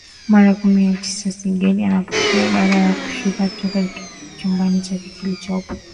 mara kumi na tisaKagere ananipokea baada ya kushuka toka katika chumba chake kilichopo